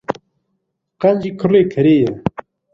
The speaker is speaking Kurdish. Qencî kurê kerê ye.